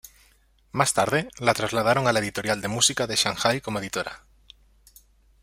Más tarde la trasladaron a la Editorial de Música de Shanghai como editora.